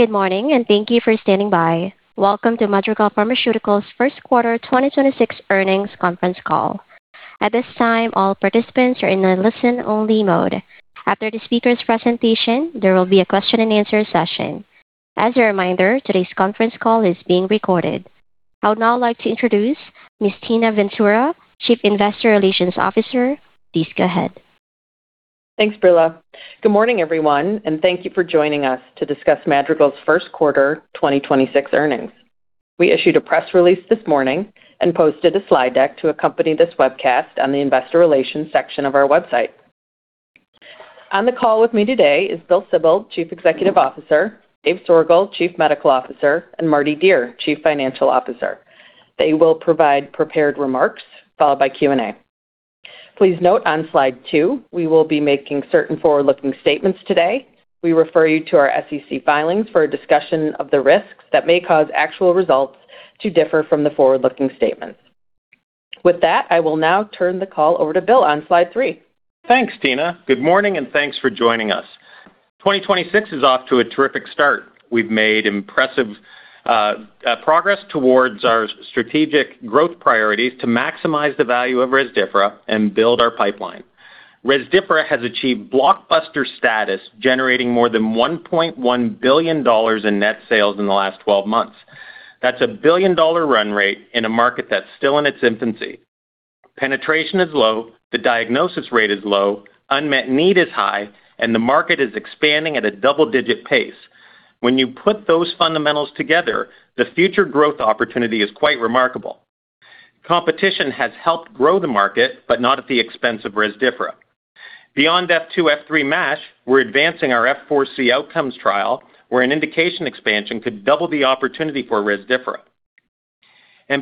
Good morning, and thank you for standing by. Welcome to Madrigal Pharmaceuticals' first quarter 2026 earnings conference call. At this time, all participants are in a listen-only mode. After the speaker's presentation, there will be a question-and-answer session. As a reminder, today's conference call is being recorded. I would now like to introduce Ms. Tina Ventura, Chief Investor Relations Officer. Please go ahead. Thanks, Brilla. Good morning, everyone, and thank you for joining us to discuss Madrigal's first quarter 2026 earnings. We issued a press release this morning and posted a slide deck to accompany this webcast on the investor relations section of our website. On the call with me today is Bill Sibold, Chief Executive Officer, David Soergel, Chief Medical Officer, and Mardi Dier, Chief Financial Officer. They will provide prepared remarks, followed by Q&A. Please note on slide two, we will be making certain forward-looking statements today. We refer you to our SEC filings for a discussion of the risks that may cause actual results to differ from the forward-looking statements. I will now turn the call over to Bill on slide three. Thanks, Tina. Good morning, and thanks for joining us. 2026 is off to a terrific start. We've made impressive progress towards our strategic growth priorities to maximize the value of Rezdiffra and build our pipeline. Rezdiffra has achieved blockbuster status, generating more than $1.1 billion in net sales in the last 12 months. That's a billion-dollar run rate in a market that's still in its infancy. Penetration is low, the diagnosis rate is low, unmet need is high, and the market is expanding at a double-digit pace. When you put those fundamentals together, the future growth opportunity is quite remarkable. Competition has helped grow the market, but not at the expense of Rezdiffra. Beyond F2, F3 MASH, we're advancing our F4-C outcomes trial, where an indication expansion could double the opportunity for Rezdiffra.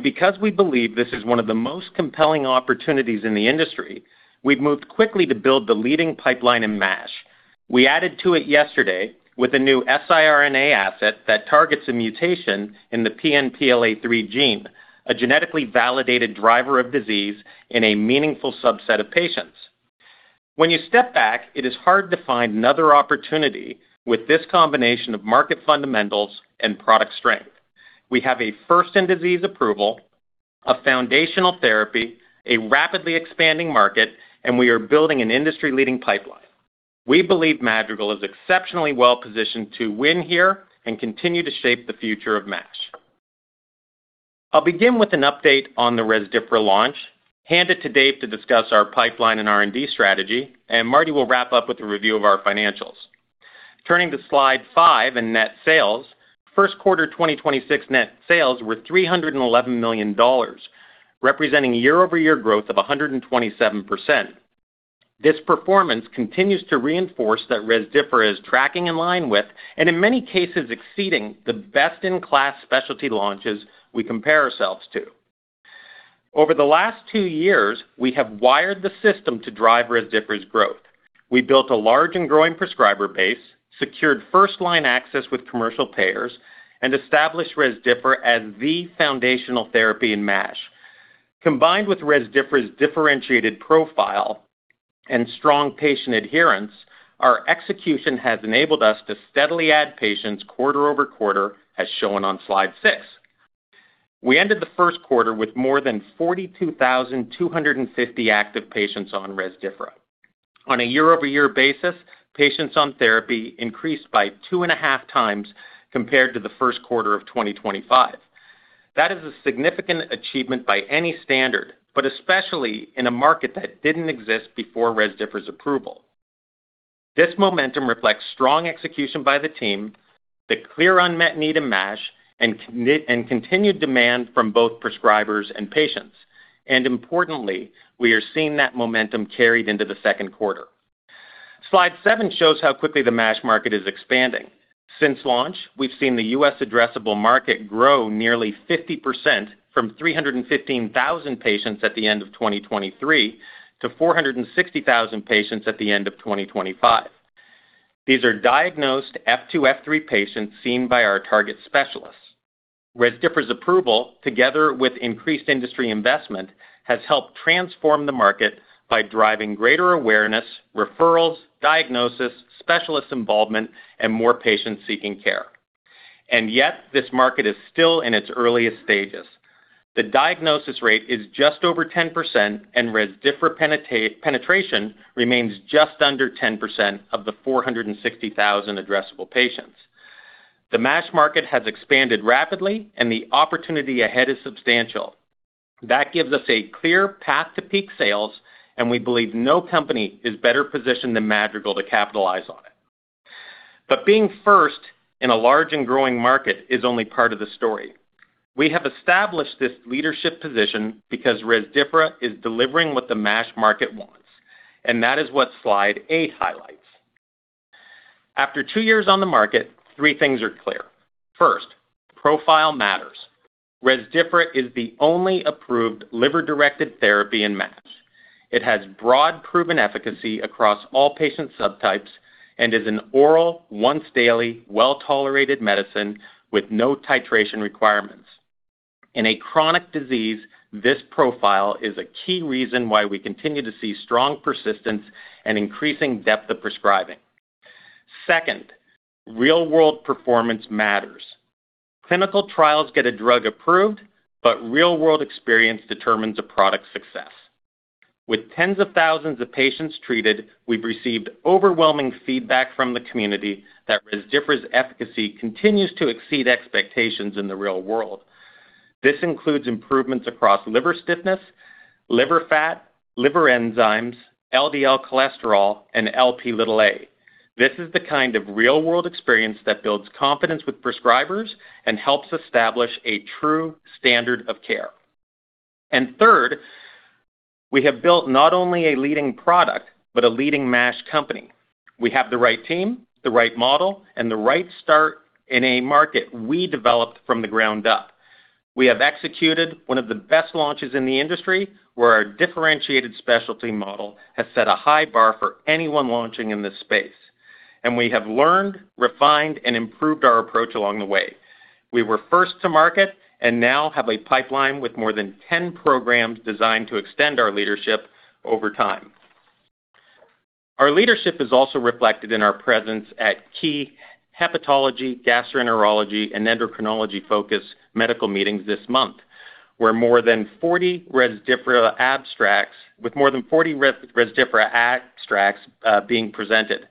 Because we believe this is one of the most compelling opportunities in the industry, we've moved quickly to build the leading pipeline in MASH. We added to it yesterday with a new siRNA asset that targets a mutation in the PNPLA3 gene, a genetically validated driver of disease in a meaningful subset of patients. When you step back, it is hard to find another opportunity with this combination of market fundamentals and product strength. We have a first-in-disease approval, a foundational therapy, a rapidly expanding market, and we are building an industry-leading pipeline. We believe Madrigal is exceptionally well-positioned to win here and continue to shape the future of MASH. I'll begin with an update on the Rezdiffra launch, hand it to Dave to discuss our pipeline and R&D strategy, and Mardi will wrap up with a review of our financials. Turning to slide five and net sales, 1st quarter 2026 net sales were $311 million, representing year-over-year growth of 127%. This performance continues to reinforce that Rezdiffra is tracking in line with, and in many cases exceeding, the best-in-class specialty launches we compare ourselves to. Over the last two years, we have wired the system to drive Rezdiffra's growth. We built a large and growing prescriber base, secured first-line access with commercial payers, and established Rezdiffra as the foundational therapy in MASH. Combined with Rezdiffra's differentiated profile and strong patient adherence, our execution has enabled us to steadily add patients quarter-over-quarter, as shown on slide six. We ended the first quarter with more than 42,250 active patients on Rezdiffra. On a year-over-year basis, patients on therapy increased by two and a half times compared to the first quarter of 2025. That is a significant achievement by any standard, but especially in a market that didn't exist before Rezdiffra's approval. This momentum reflects strong execution by the team, the clear unmet need in MASH, and continued demand from both prescribers and patients. Importantly, we are seeing that momentum carried into the second quarter. Slide seven shows how quickly the MASH market is expanding. Since launch, we've seen the U.S. addressable market grow nearly 50% from 315,000 patients at the end of 2023 to 460,000 patients at the end of 2025. These are diagnosed F2, F3 patients seen by our target specialists. Rezdiffra's approval, together with increased industry investment, has helped transform the market by driving greater awareness, referrals, diagnosis, specialist involvement, and more patients seeking care. Yet this market is still in its earliest stages. The diagnosis rate is just over 10%, and Rezdiffra penetration remains just under 10% of the 460,000 addressable patients. The MASH market has expanded rapidly, and the opportunity ahead is substantial. That gives us a clear path to peak sales, and we believe no company is better positioned than Madrigal to capitalize on it. Being first in a large and growing market is only part of the story. We have established this leadership position because Rezdiffra is delivering what the MASH market wants, and that is what slide 8 highlights. After two years on the market, three things are clear. First, profile matters. Rezdiffra is the only approved liver-directed therapy in MASH. It has broad proven efficacy across all patient subtypes and is an oral, once-daily, well-tolerated medicine with no titration requirements. In a chronic disease, this profile is a key reason why we continue to see strong persistence and increasing depth of prescribing. Second, real-world performance matters. Clinical trials get a drug approved, but real-world experience determines a product's success. With tens of thousands of patients treated, we've received overwhelming feedback from the community that Rezdiffra's efficacy continues to exceed expectations in the real world. This includes improvements across liver stiffness, liver fat, liver enzymes, LDL cholesterol, and Lp(a). This is the kind of real-world experience that builds confidence with prescribers and helps establish a true standard of care. Third, we have built not only a leading product, but a leading MASH company. We have the right team, the right model, and the right start in a market we developed from the ground up. We have executed one of the best launches in the industry, where our differentiated specialty model has set a high bar for anyone launching in this space. We have learned, refined, and improved our approach along the way. We were first to market and now have a pipeline with more than 10 programs designed to extend our leadership over time. Our leadership is also reflected in our presence at key hepatology, gastroenterology, and endocrinology-focused medical meetings this month, where more than 40 Rezdiffra abstracts being presented.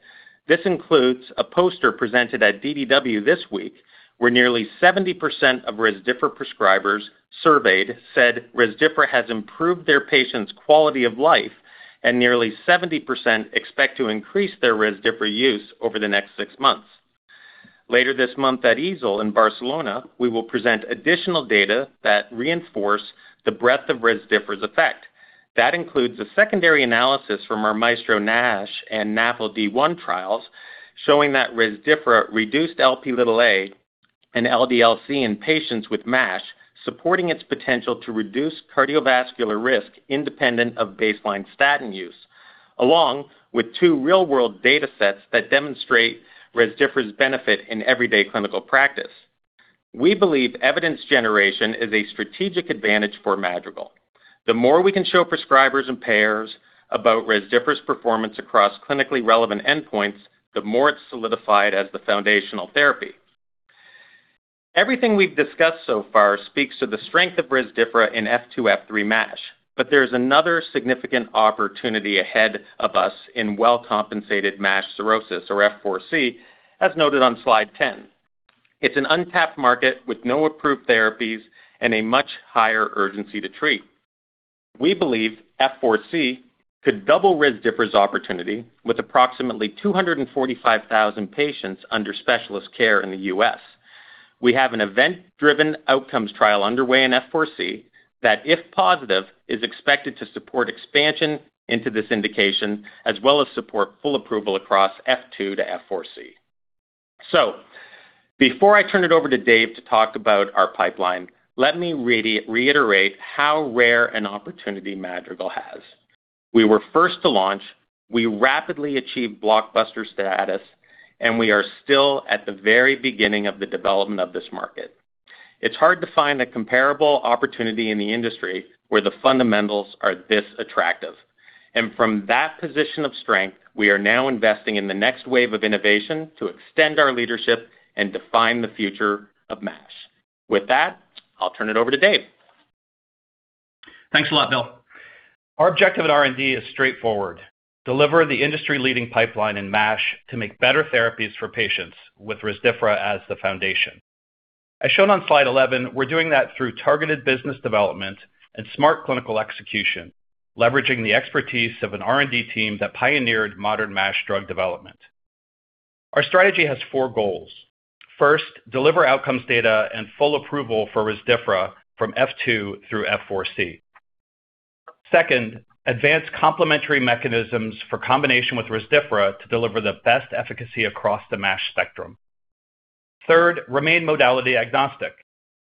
This includes a poster presented at DDW this week, where nearly 70% of Rezdiffra prescribers surveyed said Rezdiffra has improved their patients' quality of life, and nearly 70% expect to increase their Rezdiffra use over the next six months. Later this month at EASL in Barcelona, we will present additional data that reinforce the breadth of Rezdiffra's effect. That includes a secondary analysis from our MAESTRO-NASH and MAESTRO-NAFLD-1 trials showing that Rezdiffra reduced Lp(a) and LDL-C in patients with MASH, supporting its potential to reduce cardiovascular risk independent of baseline statin use, along with two real-world data sets that demonstrate Rezdiffra's benefit in everyday clinical practice. We believe evidence generation is a strategic advantage for Madrigal. The more we can show prescribers and payers about Rezdiffra's performance across clinically relevant endpoints, the more it's solidified as the foundational therapy. Everything we've discussed so far speaks to the strength of Rezdiffra in F2 F3 MASH, but there is another significant opportunity ahead of us in well-compensated MASH cirrhosis, or F4-C, as noted on slide 10. It's an untapped market with no approved therapies and a much higher urgency to treat. We believe F4-C could double Rezdiffra's opportunity with approximately 245,000 patients under specialist care in the U.S. We have an event-driven outcomes trial underway in F4-C that, if positive, is expected to support expansion into this indication as well as support full approval across F2 to F4-C. Before I turn it over to Dave to talk about our pipeline, let me reiterate how rare an opportunity Madrigal has. We were first to launch, we rapidly achieved blockbuster status, and we are still at the very beginning of the development of this market. It's hard to find a comparable opportunity in the industry where the fundamentals are this attractive. From that position of strength, we are now investing in the next wave of innovation to extend our leadership and define the future of MASH. With that, I'll turn it over to Dave. Thanks a lot, Bill. Our objective at R&D is straightforward: deliver the industry-leading pipeline in MASH to make better therapies for patients with Rezdiffra as the foundation. As shown on slide 11, we're doing that through targeted business development and smart clinical execution, leveraging the expertise of an R&D team that pioneered modern MASH drug development. Our strategy has four goals. First, deliver outcomes data and full approval for Rezdiffra from F2 through F4-C. Second, advance complementary mechanisms for combination with Rezdiffra to deliver the best efficacy across the MASH spectrum. Third, remain modality agnostic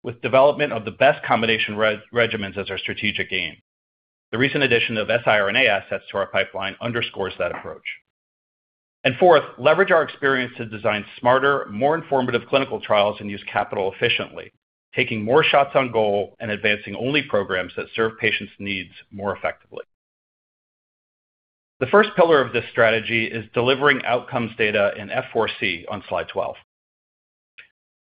with development of the best combination regimens as our strategic aim. The recent addition of siRNA assets to our pipeline underscores that approach. Fourth, leverage our experience to design smarter, more informative clinical trials and use capital efficiently, taking more shots on goal and advancing only programs that serve patients' needs more effectively. The first pillar of this strategy is delivering outcomes data in F4-C on slide 12.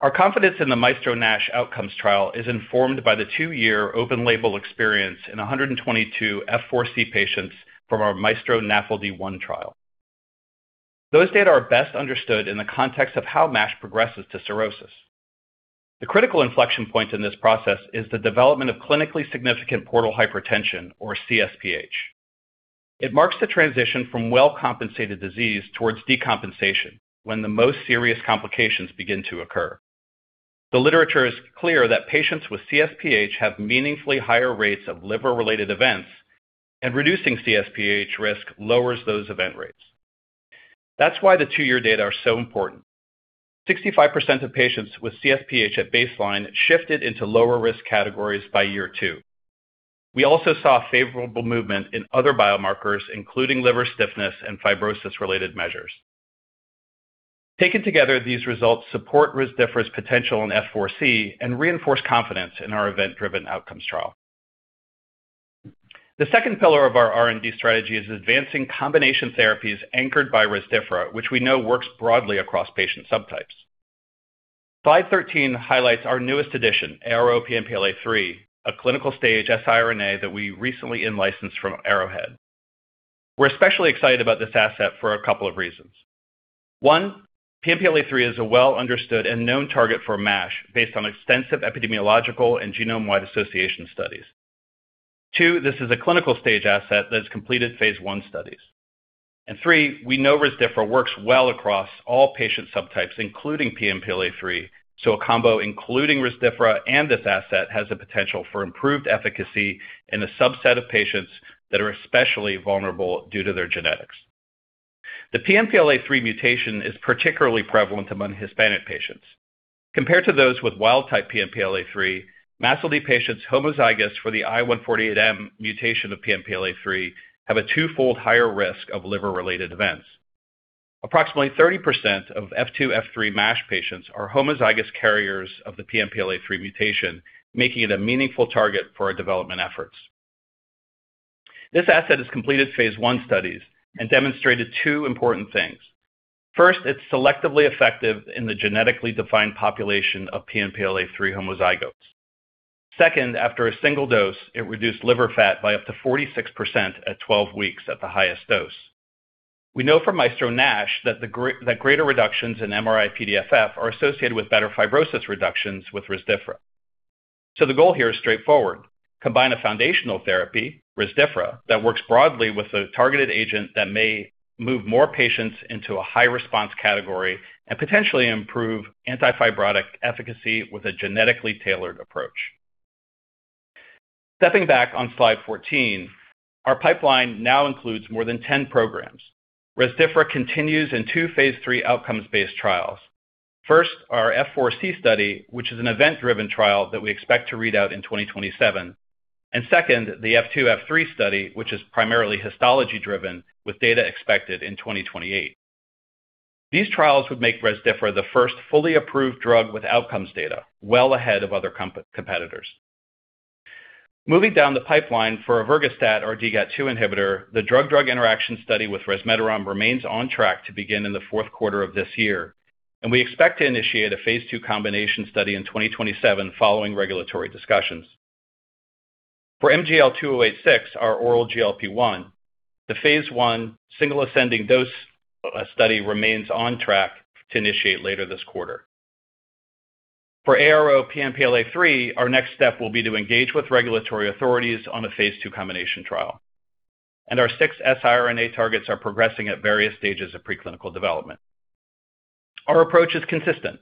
Our confidence in the MAESTRO-NASH OUTCOMES trial is informed by the two-year open label experience in 122 F4-C patients from our MAESTRO-NAFLD-1 trial. Those data are best understood in the context of how MASH progresses to cirrhosis. The critical inflection point in this process is the development of Clinically Significant Portal Hypertension, or CSPH. It marks the transition from well-compensated disease towards decompensation when the most serious complications begin to occur. The literature is clear that patients with CSPH have meaningfully higher rates of liver-related events, and reducing CSPH risk lowers those event rates. That's why the two-year data are so important. 65% of patients with CSPH at baseline shifted into lower risk categories by year two. We also saw favorable movement in other biomarkers, including liver stiffness and fibrosis-related measures. Taken together, these results support Rezdiffra's potential in F4-C and reinforce confidence in our event-driven outcomes trial. The second pillar of our R&D strategy is advancing combination therapies anchored by Rezdiffra, which we know works broadly across patient subtypes. Slide 13 highlights our newest addition, ARO-PNPLA3, a clinical-stage siRNA that we recently in-licensed from Arrowhead. We're especially excited about this asset for a couple of reasons. One, PNPLA3 is a well-understood and known target for MASH based on extensive epidemiological and genome-wide association studies. Two, this is a clinical-stage asset that has completed phase I studies. Three, we know Rezdiffra works well across all patient subtypes, including PNPLA3. A combo including Rezdiffra and this asset has the potential for improved efficacy in a subset of patients that are especially vulnerable due to their genetics. The PNPLA3 mutation is particularly prevalent among Hispanic patients. Compared to those with wild-type PNPLA3, MASLD patients homozygous for the I148M mutation of PNPLA3 have a twofold higher risk of liver-related events. Approximately 30% of F2 F3 MASH patients are homozygous carriers of the PNPLA3 mutation, making it a meaningful target for our development efforts. This asset has completed phase I studies and demonstrated two important things. First, it's selectively effective in the genetically defined population of PNPLA3 homozygotes. Second, after a single dose, it reduced liver fat by up to 46% at 12 weeks at the highest dose. We know from MAESTRO-NASH that the greater reductions in MRI-PDFF are associated with better fibrosis reductions with Rezdiffra. The goal here is straightforward: combine a foundational therapy, Rezdiffra, that works broadly with a targeted agent that may move more patients into a high response category and potentially improve anti-fibrotic efficacy with a genetically tailored approach. Stepping back on slide 14, our pipeline now includes more than 10 programs. Rezdiffra continues in two, phase III outcomes-based trials. First, our F4-C study, which is an event-driven trial that we expect to read out in 2027. Second, the F2 F3 study, which is primarily histology-driven with data expected in 2028. These trials would make Rezdiffra the first fully approved drug with outcomes data, well ahead of other competitors. Moving down the pipeline for ervogastat, our DGAT2 inhibitor, the drug-drug interaction study with resmetirom remains on track to begin in the fourth quarter of this year, and we expect to initiate a phase II combination study in 2027 following regulatory discussions. For MGL-2086, our oral GLP-1, the phase I single ascending dose study remains on track to initiate later this quarter. For ARO-PNPLA3, our next step will be to engage with regulatory authorities on a phase II combination trial. Our six siRNA targets are progressing at various stages of preclinical development. Our approach is consistent.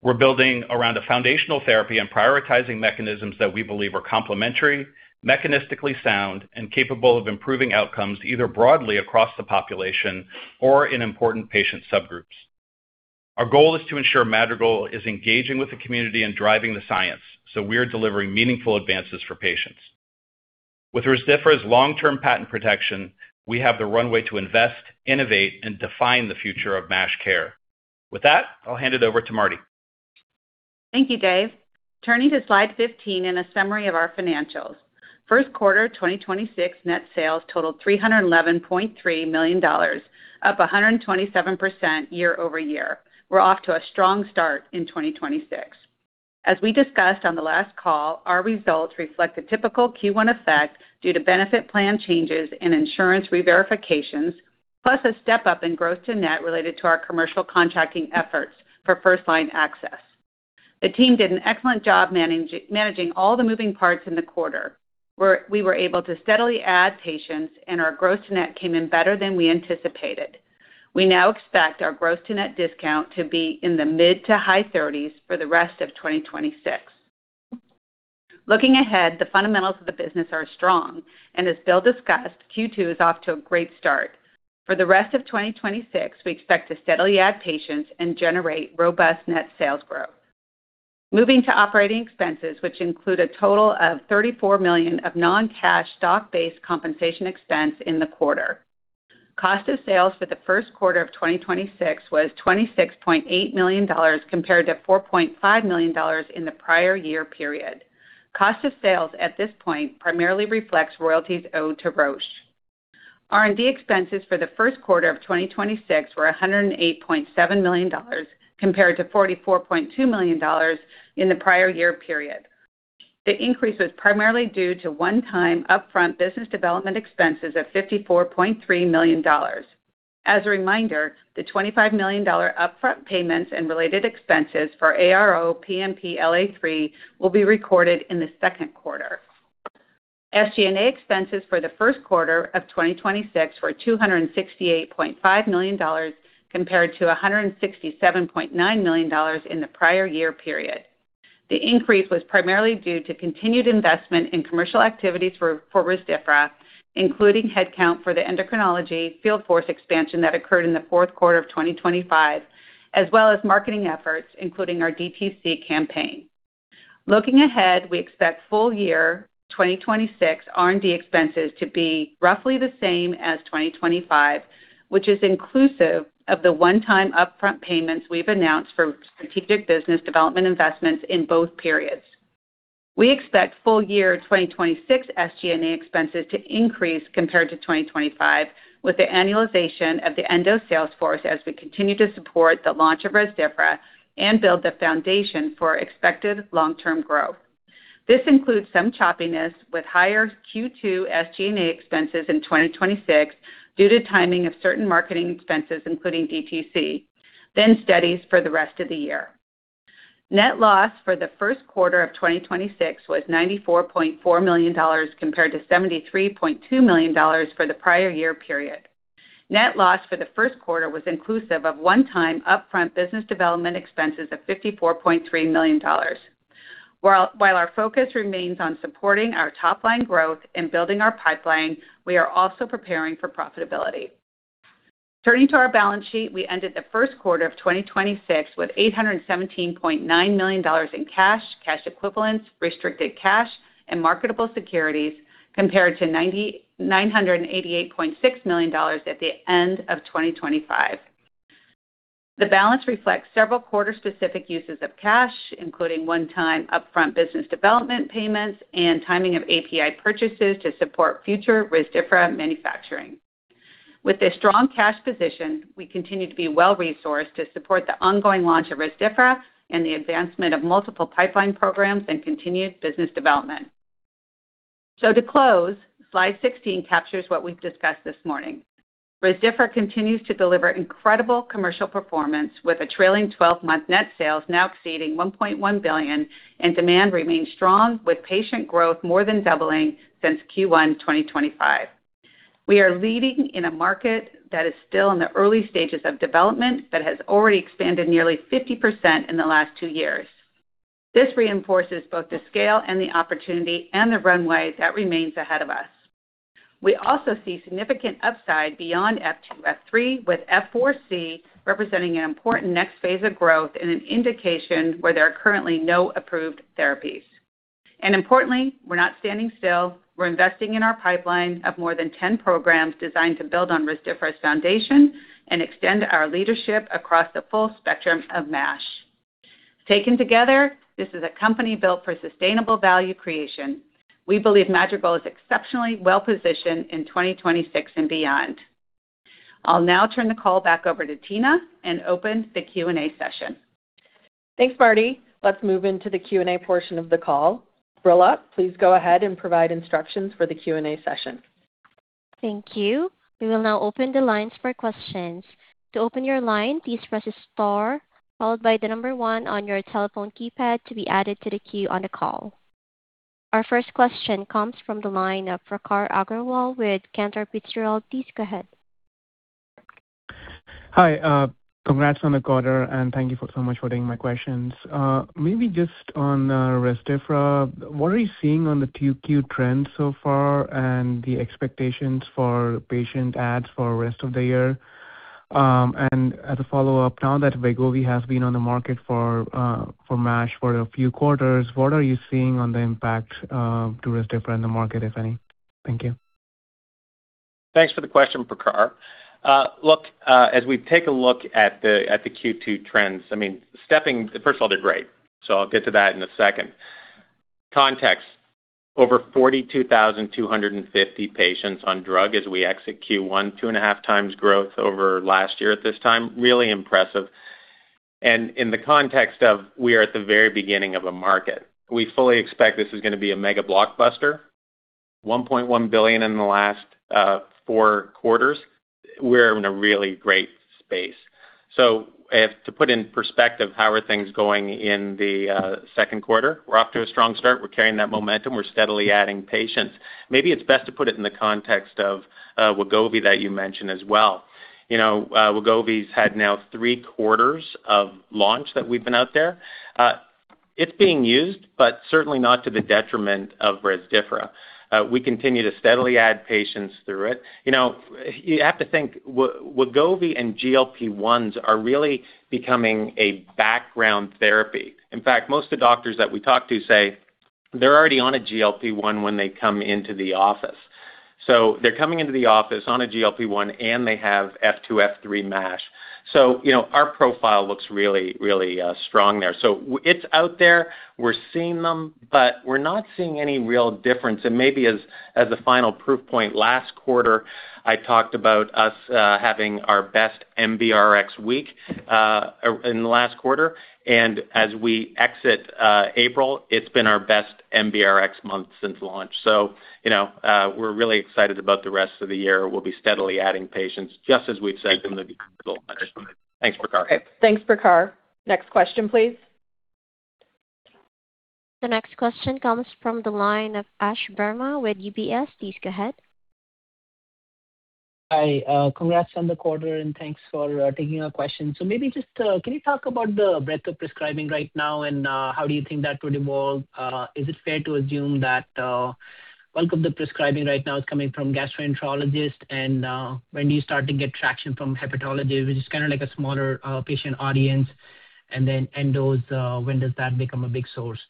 We're building around a foundational therapy and prioritizing mechanisms that we believe are complementary, mechanistically sound, and capable of improving outcomes either broadly across the population or in important patient subgroups. Our goal is to ensure Madrigal is engaging with the community and driving the science, so we're delivering meaningful advances for patients. With Rezdiffra's long-term patent protection, we have the runway to invest, innovate, and define the future of MASH care. With that, I'll hand it over to Mardi. Thank you, Dave. Turning to slide 15 and a summary of our financials. First quarter 2026 net sales totaled $311.3 million, up 127% year-over-year. We're off to a strong start in 2026. As we discussed on the last call, our results reflect a typical Q1 effect due to benefit plan changes and insurance reverifications, plus a step-up in gross-to-net related to our commercial contracting efforts for first-line access. The team did an excellent job managing all the moving parts in the quarter, where we were able to steadily add patients and our gross-net came in better than we anticipated. We now expect our gross-to-net discount to be in the mid to high thirties for the rest of 2026. Looking ahead, the fundamentals of the business are strong, and as Bill discussed, Q2 is off to a great start. For the rest of 2026, we expect to steadily add patients and generate robust net sales growth. Moving to operating expenses, which include a total of $34 million of non-cash stock-based compensation expense in the quarter. Cost of sales for the first quarter of 2026 was $26.8 million compared to $4.5 million in the prior year period. Cost of sales at this point primarily reflects royalties owed to Roche. R&D expenses for the first quarter of 2026 were $108.7 million compared to $44.2 million in the prior year period. The increase was primarily due to one-time upfront business development expenses of $54.3 million. As a reminder, the $25 million upfront payments and related expenses for ARO-PNPLA3 will be recorded in the second quarter. SG&A expenses for the first quarter of 2026 were $268.5 million compared to $167.9 million in the prior year period. The increase was primarily due to continued investment in commercial activities for Rezdiffra, including headcount for the endocrinology field force expansion that occurred in the fourth quarter of 2025, as well as marketing efforts, including our DTC campaign. Looking ahead, we expect full year 2026 R&D expenses to be roughly the same as 2025, which is inclusive of the one-time upfront payments we've announced for strategic business development investments in both periods. We expect full year 2026 SG&A expenses to increase compared to 2025, with the annualization of the endo sales force as we continue to support the launch of Rezdiffra and build the foundation for expected long-term growth. This includes some choppiness with higher Q2 SG&A expenses in 2026 due to timing of certain marketing expenses, including DTC, then steadies for the rest of the year. Net loss for the first quarter of 2026 was $94.4 million compared to $73.2 million for the prior year period. Net loss for the first quarter was inclusive of one-time upfront business development expenses of $54.3 million. While our focus remains on supporting our top-line growth and building our pipeline, we are also preparing for profitability. Turning to our balance sheet, we ended the first quarter of 2026 with $817.9 million in cash equivalents, restricted cash and marketable securities, compared to $988.6 million at the end of 2025. The balance reflects several quarter specific uses of cash, including one-time upfront business development payments and timing of API purchases to support future Rezdiffra manufacturing. With a strong cash position, we continue to be well-resourced to support the ongoing launch of Rezdiffra and the advancement of multiple pipeline programs and continued business development. To close, slide 16 captures what we've discussed this morning. Rezdiffra continues to deliver incredible commercial performance with a trailing 12-month net sales now exceeding $1.1 billion, and demand remains strong, with patient growth more than doubling since Q1 2025. We are leading in a market that is still in the early stages of development that has already expanded nearly 50% in the last two years. This reinforces both the scale and the opportunity and the runway that remains ahead of us. We also see significant upside beyond F2, F3 with F4-C representing an important next phase of growth in an indication where there are currently no approved therapies. Importantly, we're not standing still. We're investing in our pipeline of more than 10 programs designed to build on Rezdiffra's foundation and extend our leadership across the full spectrum of MASH. Taken together, this is a company built for sustainable value creation. We believe Madrigal is exceptionally well-positioned in 2026 and beyond. I'll now turn the call back over to Tina and open the Q&A session. Thanks, Mardi. Let's move into the Q&A portion of the call. Brilla, please go ahead and provide instructions for the Q&A session. Thank you. We will now open the lines for questions. To open your line, please press star followed by the number one on your telephone keypad to be added to the queue on the call. Our first question comes from the line of Prakhar Agrawal with Cantor Fitzgerald. Please go ahead. Hi, congrats on the quarter, and thank you for so much for taking my questions. Maybe just on Rezdiffra, what are you seeing on the Q2 trends so far and the expectations for patient adds for rest of the year? As a follow-up, now that Wegovy has been on the market for MASH for a few quarters, what are you seeing on the impact to Rezdiffra in the market, if any? Thank you. Thanks for the question, Prakhar. Look, as we take a look at the Q2 trends, I mean, First of all, they're great, so I'll get to that in a second. Context, over 42,250 patients on drug as we exit Q1, 2.5 times growth over last year at this time. Really impressive. In the context of we are at the very beginning of a market. We fully expect this is gonna be a mega blockbuster. $1.1 billion in the last four quarters. We're in a really great space. If to put in perspective, how are things going in the second quarter, we're off to a strong start. We're carrying that momentum. We're steadily adding patients. Maybe it's best to put it in the context of Wegovy that you mentioned as well. You know, Wegovy's had now three quarters of launch that we've been out there. It's being used, but certainly not to the detriment of Rezdiffra. We continue to steadily add patients through it. You know, you have to think Wegovy and GLP-1s are really becoming a background therapy. In fact, most of the doctors that we talk to say they're already on a GLP-1 when they come into the office. They're coming into the office on a GLP-1, and they have F2, F3 MASH. You know, our profile looks really, really strong there. It's out there. We're seeing them, but we're not seeing any real difference. Maybe as a final proof point, last quarter, I talked about us having our best NBRx week in the last quarter. As we exit, April, it's been our best NBRx month since launch. You know, we're really excited about the rest of the year. We'll be steadily adding patients, just as we've said from the beginning. Thanks, Prakhar. Thanks, Prakhar. Next question, please. The next question comes from the line of Ash Verma with UBS. Please go ahead. Hi, congrats on the quarter and thanks for taking our question. Maybe just, can you talk about the breadth of prescribing right now and how do you think that would evolve? Is it fair to assume that bulk of the prescribing right now is coming from gastroenterologist and when do you start to get traction from hepatology, which is kind of like a smaller patient audience and then endos, when does that become a big source?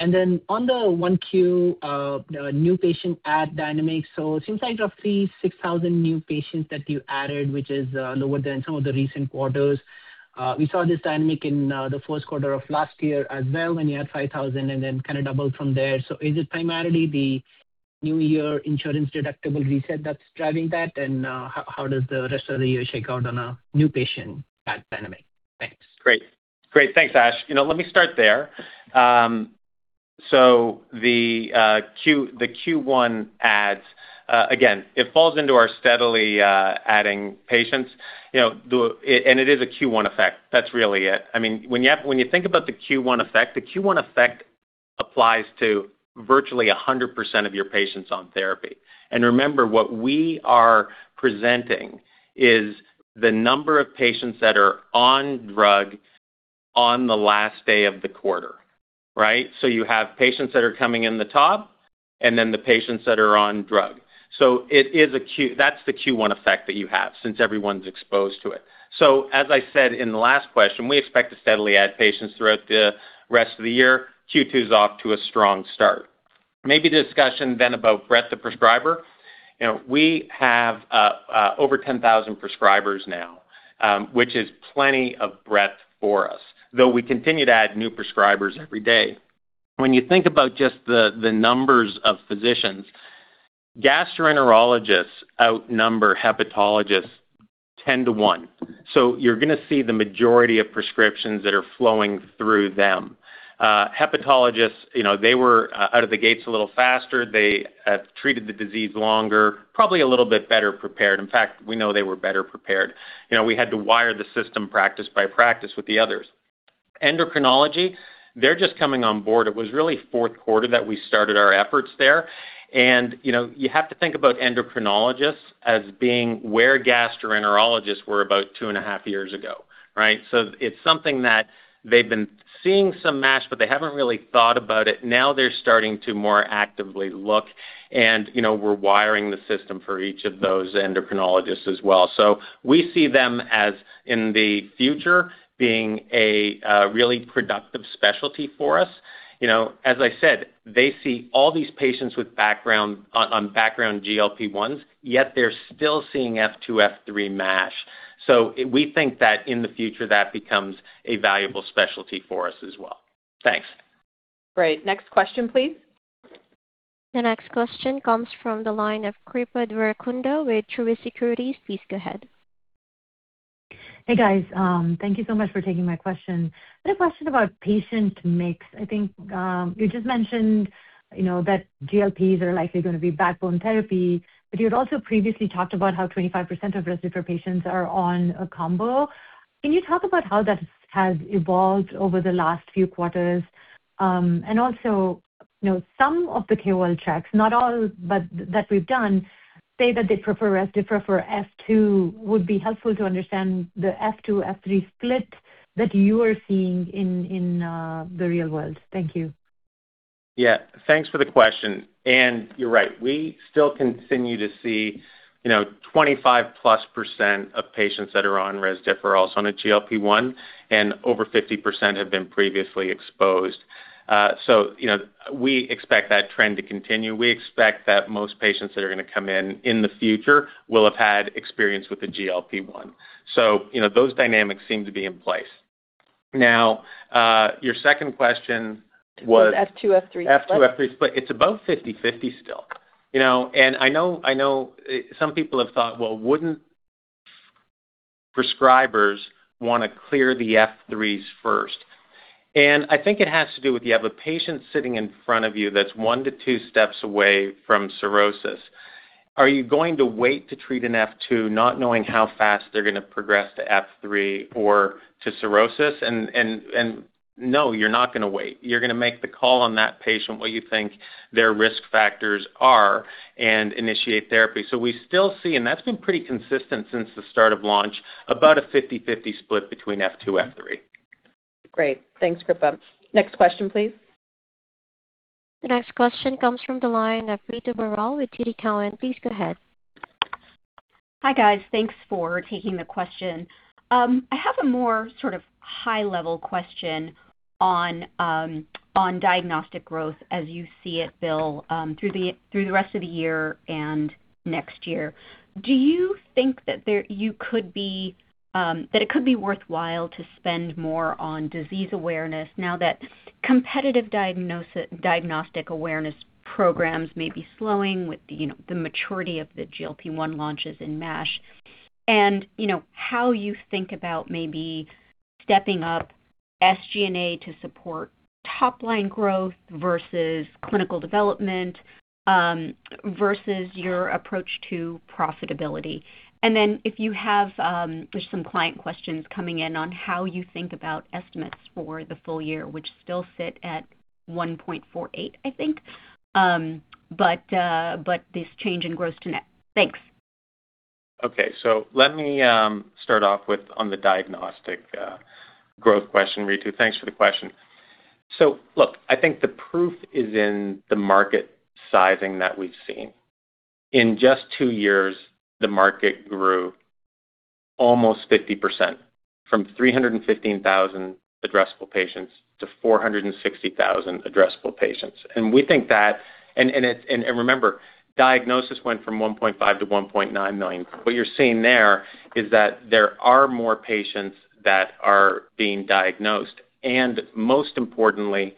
Then on the 1Q new patient add dynamics. It seems like roughly 6,000 new patients that you added, which is lower than some of the recent quarters. We saw this dynamic in the first quarter of last year as well when you had 5,000 and then kind of doubled from there. Is it primarily the new year insurance deductible reset that's driving that? How does the rest of the year shake out on a new patient add dynamic? Thanks. Great. Great. Thanks, Ash. Let me start there. The Q1 adds, again, it falls into our steadily adding patients. It is a Q1 effect. That's really it. When you think about the Q1 effect, the Q1 effect applies to virtually 100% of your patients on therapy. Remember, what we are presenting is the number of patients that are on drug on the last day of the quarter, right? You have patients that are coming in the top and then the patients that are on drug. That's the Q1 effect that you have since everyone's exposed to it. As I said in the last question, we expect to steadily add patients throughout the rest of the year. Q2 is off to a strong start. Maybe discussion then about breadth of prescriber. You know, we have over 10,000 prescribers now, which is plenty of breadth for us, though we continue to add new prescribers every day. When you think about just the numbers of physicians, gastroenterologists outnumber hepatologists 10 to 1. You're gonna see the majority of prescriptions that are flowing through them. Hepatologists, you know, they were out of the gates a little faster. They treated the disease longer, probably a little bit better prepared. In fact, we know they were better prepared. You know, we had to wire the system practice by practice with the others. Endocrinology, they're just coming on board. It was really fourth quarter that we started our efforts there and, you know, you have to think about endocrinologists as being where gastroenterologists were about 2.5 years ago, right? It's something that they've been seeing some MASH, but they haven't really thought about it. Now they're starting to more actively look and, you know, we're wiring the system for each of those endocrinologists as well. We see them as in the future being a really productive specialty for us. You know, as I said, they see all these patients with background GLP-1s, yet they're still seeing F2, F3 MASH. We think that in the future, that becomes a valuable specialty for us as well. Thanks. Great. Next question, please. The next question comes from the line of Kripa Devarakonda with Truist Securities. Please go ahead. Hey, guys. Thank you so much for taking my question. I had a question about patient mix. I think, you know, that GLPs are likely gonna be backbone therapy, but you had also previously talked about how 25% of Rezdiffra patients are on a combo. Can you talk about how that has evolved over the last few quarters? Also, you know, some of the KOL checks, not all, but that we've done say that they prefer Rezdiffra for F2. Would be helpful to understand the F2, F3 split that you are seeing in the real world. Thank you. Yeah, thanks for the question. You're right, we still continue to see, you know, 25+% of patients that are on Rezdiffra also on a GLP-1 and over 50% have been previously exposed. You know, we expect that trend to continue. We expect that most patients that are gonna come in in the future will have had experience with a GLP-1. You know, those dynamics seem to be in place. Now, your second question was- Was F2, F3 split? F2, F3 split. It's about 50-50 still. You know, I know some people have thought, well, wouldn't prescribers want to clear the F3s first? I think it has to do with you have a patient sitting in front of you that's one to two steps away from cirrhosis. Are you going to wait to treat an F2, not knowing how fast they're going to progress to F3 or to cirrhosis? No, you're not going to wait. You're going to make the call on that patient, what you think their risk factors are and initiate therapy. We still see, and that's been pretty consistent since the start of launch, about a 50-50 split between F2, F3. Great. Thanks, Kripa. Next question, please. The next question comes from the line of Ritu Baral with TD Cowen. Please go ahead. Hi, guys. Thanks for taking the question. I have a more sort of high-level question on diagnostic growth as you see it, Bill, through the rest of the year and next year. Do you think that it could be worthwhile to spend more on disease awareness now that competitive diagnostic awareness programs may be slowing with the, you know, the maturity of the GLP-1 launches in MASH? You know, how you think about maybe stepping up SG&A to support top line growth versus clinical development versus your approach to profitability. If you have, there's some client questions coming in on how you think about estimates for the full year, which still sit at 1.48, I think. This change in gross to net. Thanks. Okay, let me start off with on the diagnostic growth question, Ritu. Thanks for the question. Look, I think the proof is in the market sizing that we've seen. In just two years, the market grew almost 50%, from 315,000 addressable patients to 460,000 addressable patients. We think that and remember, diagnosis went from 1.5 million to 1.9 million. What you're seeing there is that there are more patients that are being diagnosed, and most importantly,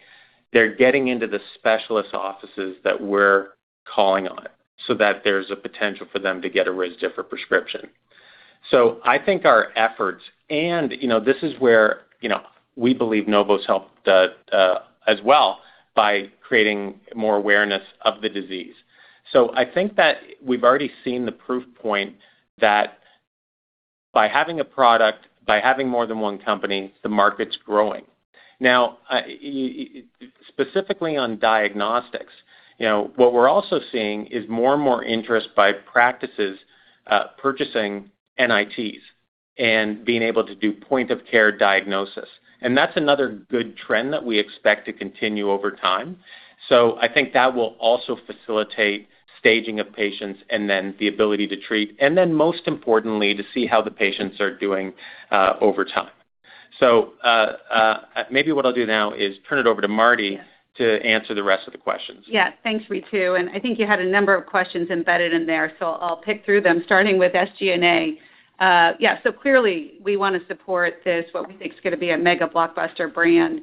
they're getting into the specialist offices that we're calling on so that there's a potential for them to get a Rezdiffra prescription. I think our efforts and, you know, this is where, you know, we believe Novo's helped as well by creating more awareness of the disease. I think that we've already seen the proof point that by having a product, by having more than one company, the market's growing. Specifically on diagnostics, you know, what we're also seeing is more and more interest by practices, purchasing NITs and being able to do point of care diagnosis. That's another good trend that we expect to continue over time. I think that will also facilitate staging of patients and then the ability to treat, and then most importantly, to see how the patients are doing over time. Maybe what I'll do now is turn it over to Mardi to answer the rest of the questions. Yeah. Thanks, Ritu. I think you had a number of questions embedded in there. I'll pick through them, starting with SG&A. Yeah, clearly we wanna support this, what we think is gonna be a mega blockbuster brand,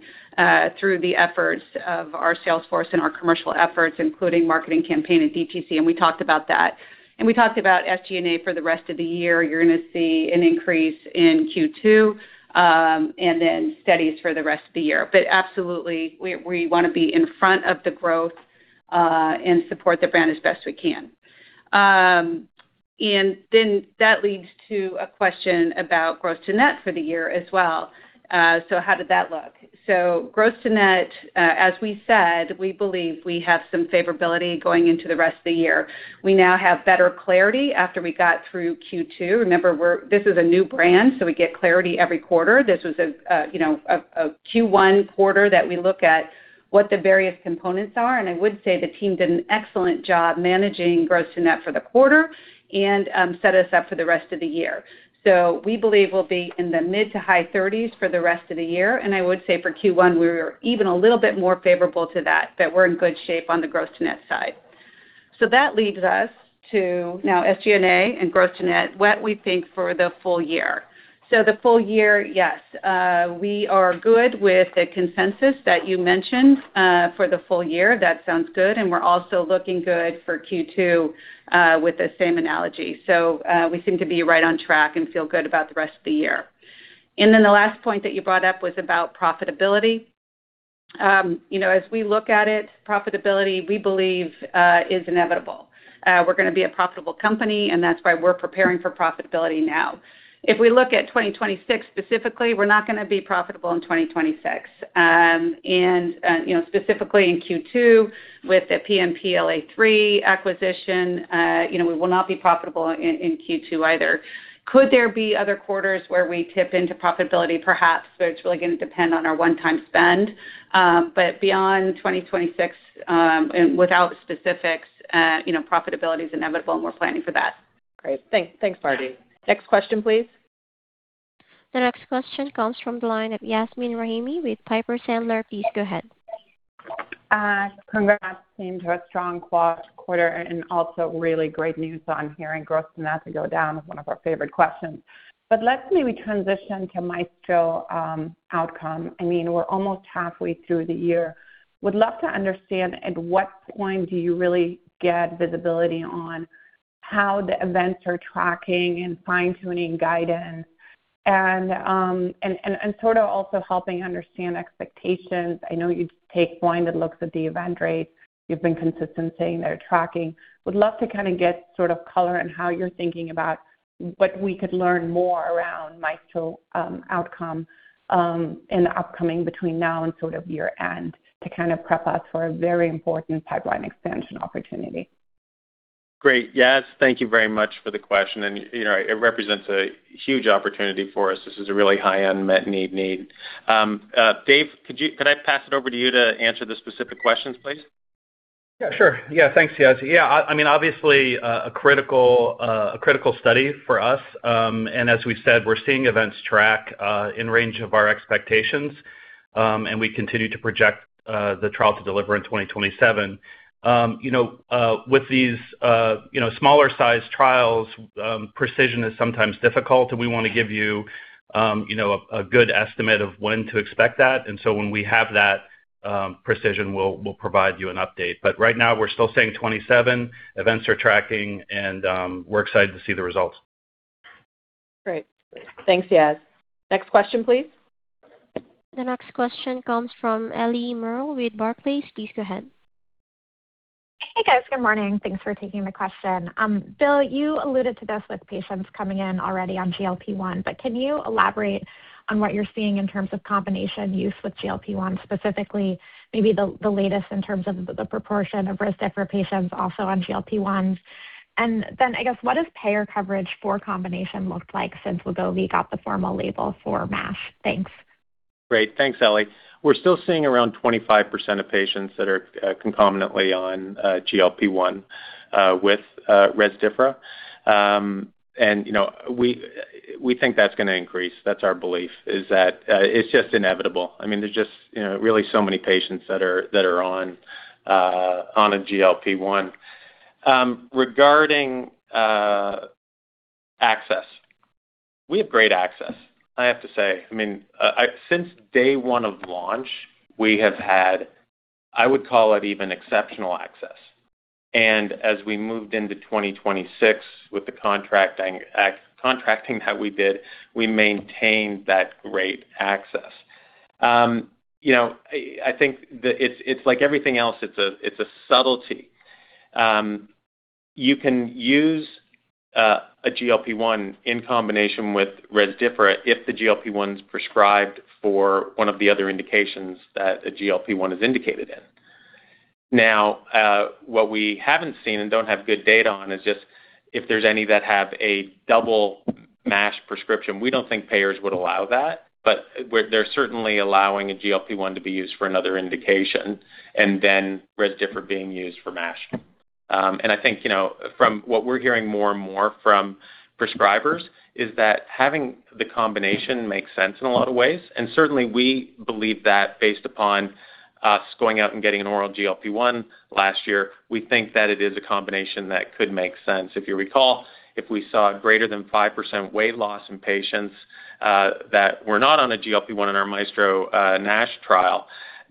through the efforts of our sales force and our commercial efforts, including marketing campaign and DTC. We talked about that. We talked about SG&A for the rest of the year. You're gonna see an increase in Q2, then steadies for the rest of the year. Absolutely, we wanna be in front of the growth and support the brand as best we can. That leads to a question about gross to net for the year as well. How did that look? Gross-to-net, as we said, we believe we have some favorability going into the rest of the year. We now have better clarity after we got through Q2. Remember, this is a new brand, so we get clarity every quarter. This was, you know, a Q1 quarter that we look at what the various components are. I would say the team did an excellent job managing gross to net for the quarter and set us up for the rest of the year. We believe we'll be in the mid to high thirties for the rest of the year, and I would say for Q1, we're even a little bit more favorable to that, but we're in good shape on the gross to net side. That leads us to now SG&A and gross net, what we think for the full year. The full year, we are good with the consensus that you mentioned for the full year. That sounds good, and we're also looking good for Q2 with the same analogy. We seem to be right on track and feel good about the rest of the year. The last point that you brought up was about profitability. You know, as we look at it, profitability, we believe is inevitable. We're gonna be a profitable company, and that's why we're preparing for profitability now. If we look at 2026 specifically, we're not gonna be profitable in 2026. You know, specifically in Q2 with the PNPLA3 acquisition, you know, we will not be profitable in Q2 either. Could there be other quarters where we tip into profitability? Perhaps, but it's really gonna depend on our one-time spend. Beyond 2026, and without specifics, you know, profitability is inevitable, and we're planning for that. Great. Thanks, Mardi. Next question, please. The next question comes from the line of Yasmeen Rahimi with Piper Sandler. Please go ahead. Congrats, team, to a strong quarter and also really great news on hearing gross to net to go down with one of our favorite questions. Let me transition to MAESTRO-NASH-OUTCOMES. I mean, we're almost halfway through the year. Would love to understand at what point do you really get visibility on how the events are tracking and fine-tuning guidance and sort of also helping understand expectations. I know you take blinded looks at the event rates. You've been consistent saying they're tracking. Would love to kinda get sort of color on how you're thinking about what we could learn more around MAESTRO-NASH-OUTCOMES in the upcoming between now and sort of year-end to kind of prep us for a very important pipeline expansion opportunity. Great. Yas, thank you very much for the question. You know, it represents a huge opportunity for us. This is a really high-end met and even need. Dave, could I pass it over to you to answer the specific questions, please? Yeah, sure. Yeah. Thanks, Yas. Yeah, I mean, obviously, a critical, a critical study for us. As we've said, we're seeing events track in range of our expectations, and we continue to project the trial to deliver in 2027. You know, with these, you know, smaller-sized trials, precision is sometimes difficult, and we wanna give you know, a good estimate of when to expect that. When we have that precision, we'll provide you an update. Right now, we're still saying 27, events are tracking, and we're excited to see the results. Great. Thanks, Yas. Next question, please. The next question comes from Ellie Merle with Barclays. Please go ahead. Hey, guys. Good morning. Thanks for taking the question. Bill, you alluded to this with patients coming in already on GLP-1, but can you elaborate on what you're seeing in terms of combination use with GLP-1 specifically, maybe the latest in terms of the proportion of Rezdiffra for patients also on GLP-1? What does payer coverage for combination look like since Wegovy got the formal label for MASH? Thanks. Great. Thanks, Ellie. We're still seeing around 25% of patients that are concomitantly on GLP-1 with Rezdiffra. You know, we think that's gonna increase. That's our belief is that it's just inevitable. I mean, there's just, you know, really so many patients that are on a GLP-1. Regarding access, we have great access, I have to say. I mean, Since day one of launch, we have had, I would call it even exceptional access. As we moved into 2026 with the contracting that we did, we maintained that great access. You know, I think it's like everything else, it's a subtlety. You can use a GLP-1 in combination with Rezdiffra if the GLP-1's prescribed for one of the other indications that a GLP-1 is indicated in. What we haven't seen and don't have good data on is just if there's any that have a double MASH prescription. We don't think payers would allow that, but they're certainly allowing a GLP-1 to be used for another indication, and then Rezdiffra being used for MASH. I think, you know, from what we're hearing more and more from prescribers is that having the combination makes sense in a lot of ways, and certainly we believe that based upon us going out and getting an oral GLP-1 last year. We think that it is a combination that could make sense. If you recall, if we saw greater than 5% weight loss in patients that were not on a GLP-1 in our MAESTRO-NASH trial,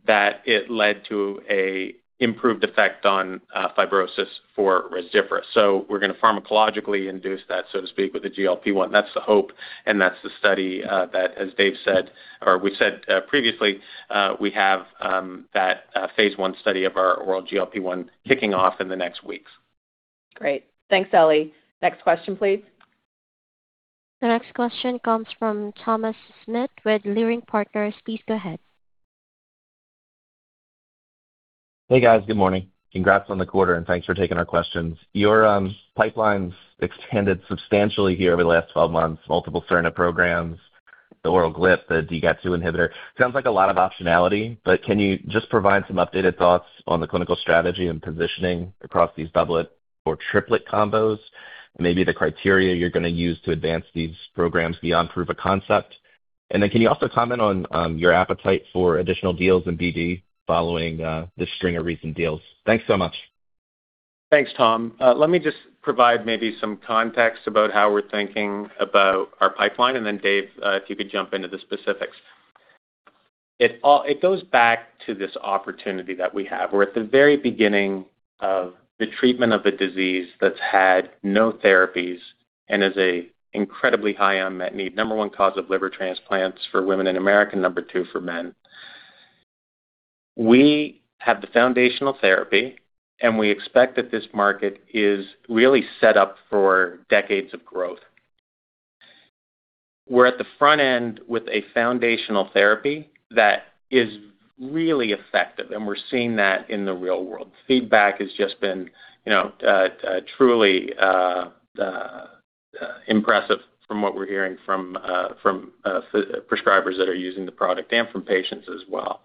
that it led to a improved effect on fibrosis for Rezdiffra. We're gonna pharmacologically induce that, so to speak, with the GLP-1. That's the hope and that's the study that as Dave said or we said previously, we have that phase I study of our oral GLP-1 kicking off in the next weeks. Great. Thanks, Ellie. Next question, please. The next question comes from Thomas Smith with Leerink Partners. Please go ahead. Hey, guys. Good morning. Congrats on the quarter, and thanks for taking our questions. Your pipeline's extended substantially here over the last 12 months, multiple siRNA programs, the oral GLP, the DGAT2 inhibitor. Sounds like a lot of optionality, but can you just provide some updated thoughts on the clinical strategy and positioning across these doublet or triplet combos, and maybe the criteria you're gonna use to advance these programs beyond proof of concept? And then can you also comment on your appetite for additional deals in BD following this string of recent deals? Thanks so much. Thanks, Tom. Let me just provide maybe some context about how we're thinking about our pipeline, Dave, if you could jump into the specifics. It goes back to this opportunity that we have. We're at the very beginning of the treatment of a disease that's had no therapies and is a incredibly high unmet need, number 1 cause of liver transplants for women in America, number 2 for men. We have the foundational therapy, we expect that this market is really set up for decades of growth. We're at the front end with a foundational therapy that is really effective, we're seeing that in the real world. Feedback has just been, you know, impressive from what we're hearing from prescribers that are using the product and from patients as well.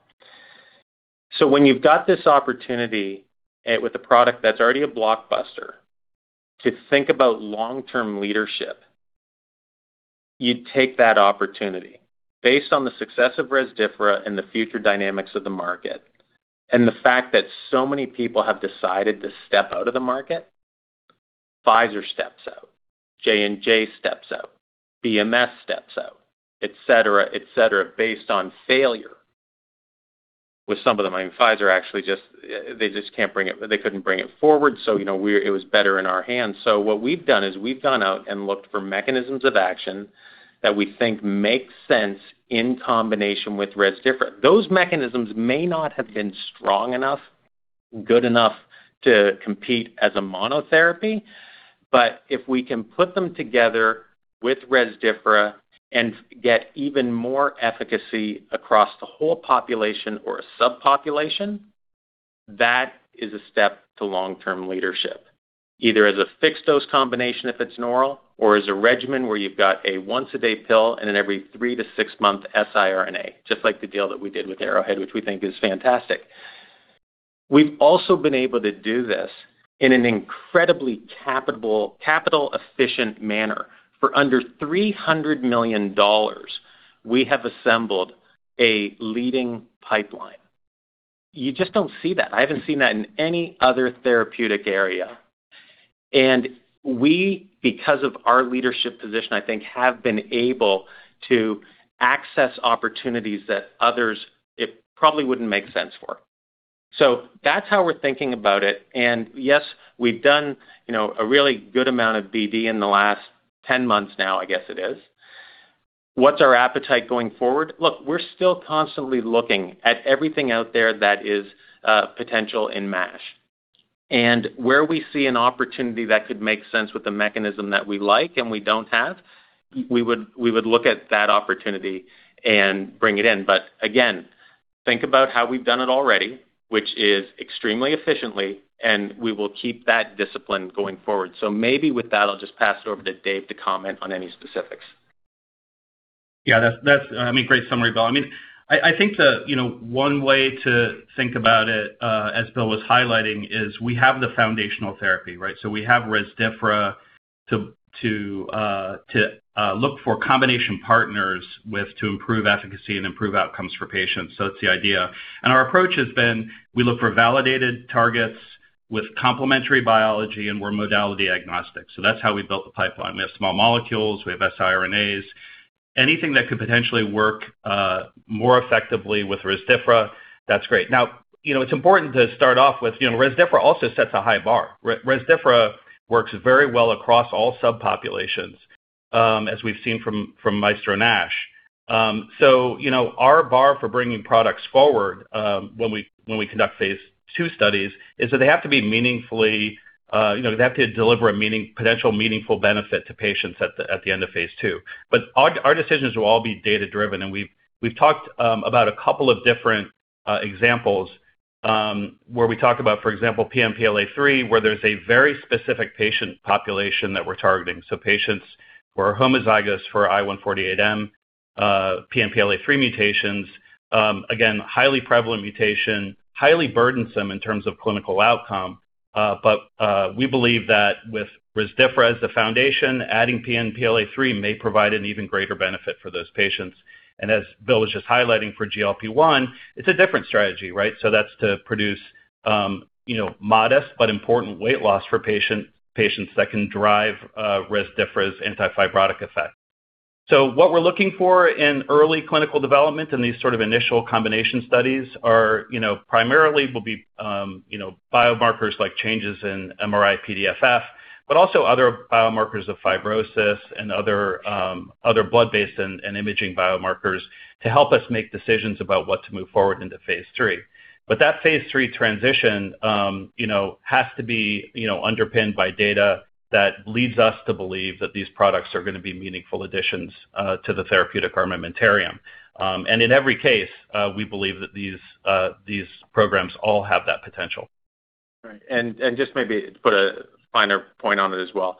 When you've got this opportunity with a product that's already a blockbuster to think about long-term leadership, you take that opportunity based on the success of Rezdiffra and the future dynamics of the market and the fact that so many people have decided to step out of the market. Pfizer steps out, J&J steps out, BMS steps out, et cetera, et cetera, based on failure with some of them. I mean Pfizer actually just, they couldn't bring it forward, so, you know, it was better in our hands. What we've done is we've gone out and looked for mechanisms of action that we think make sense in combination with Rezdiffra. Those mechanisms may not have been strong enough, good enough to compete as a monotherapy. If we can put them together with Rezdiffra and get even more efficacy across the whole population or a subpopulation, that is a step to long-term leadership, either as a fixed-dose combination if it's an oral or as a regimen where you've got a once-a-day pill and then every three-to-six-month siRNA, just like the deal that we did with Arrowhead Pharmaceuticals, which we think is fantastic. We've also been able to do this in an incredibly capital-efficient manner. For under $300 million, we have assembled a leading pipeline. You just don't see that. I haven't seen that in any other therapeutic area. We, because of our leadership position, I think, have been able to access opportunities that others, it probably wouldn't make sense for. That's how we're thinking about it, and yes, we've done, you know, a really good amount of BD in the last 10 months now, I guess it is. What's our appetite going forward? Look, we're still constantly looking at everything out there that is potential in MASH. Where we see an opportunity that could make sense with a mechanism that we like and we don't have, we would look at that opportunity and bring it in. Again, think about how we've done it already, which is extremely efficiently, and we will keep that discipline going forward. Maybe with that, I'll just pass it over to Dave to comment on any specifics. That's, that's, I mean, great summary, Bill. I mean, I think the, you know, one way to think about it, as Bill was highlighting, is we have the foundational therapy, right? We have Rezdiffra to look for combination partners with to improve efficacy and improve outcomes for patients. That's the idea. Our approach has been, we look for validated targets with complementary biology, and we're modality agnostic. That's how we built the pipeline. We have small molecules, we have siRNAs. Anything that could potentially work more effectively with Rezdiffra, that's great. You know, it's important to start off with, you know, Rezdiffra also sets a high bar, right? Rezdiffra works very well across all subpopulations, as we've seen from MAESTRO-NASH. You know, our bar for bringing products forward, when we, when we conduct phase II studies is that they have to be meaningfully, you know, they have to deliver a potential meaningful benefit to patients at the, at the end of phase II. Our, our decisions will all be data-driven, and we've talked about a couple of different examples, where we talk about, for example, PNPLA3, where there's a very specific patient population that we're targeting. Patients who are homozygous for I148M PNPLA3 mutations, again, highly prevalent mutation, highly burdensome in terms of clinical outcome. We believe that with Rezdiffra as the foundation, adding PNPLA3 may provide an even greater benefit for those patients. As Bill was just highlighting for GLP-1, it's a different strategy, right? That's to produce, you know, modest but important weight loss for patients that can drive Rezdiffra's antifibrotic effect. What we're looking for in early clinical development in these sort of initial combination studies are, you know, primarily will be, you know, biomarkers like changes in MRI-PDFF, but also other biomarkers of fibrosis and other blood-based and imaging biomarkers to help us make decisions about what to move forward into phase III. That phase III transition, you know, has to be, you know, underpinned by data that leads us to believe that these products are gonna be meaningful additions to the therapeutic armamentarium. In every case, we believe that these programs all have that potential. Right. Just maybe to put a finer point on it as well,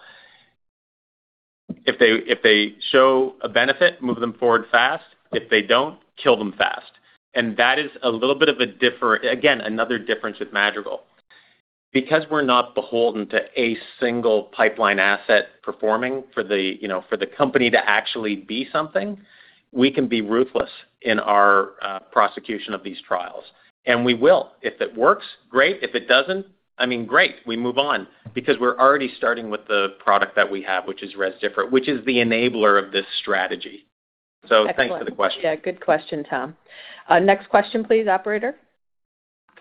if they show a benefit, move them forward fast. If they don't, kill them fast. That is a little bit of a again, another difference with Madrigal. We're not beholden to a single pipeline asset performing for the, you know, for the company to actually be something, we can be ruthless in our prosecution of these trials, and we will. If it works, great. If it doesn't, I mean, great, we move on because we're already starting with the product that we have, which is Rezdiffra, which is the enabler of this strategy. Thanks for the question. Excellent. Yeah, good question, Tom. Next question, please, operator.